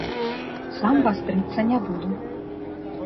Сам вастрыцца не буду.